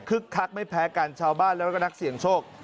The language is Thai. คักไม่แพ้กันชาวบ้านแล้วก็นักเสี่ยงโชค